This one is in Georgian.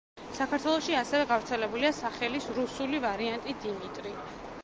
საქართველოში ასევე გავრცელებულია სახელის რუსული ვარიანტი დიმიტრი.